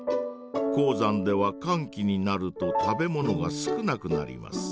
高山ではかん期になると食べ物が少なくなります。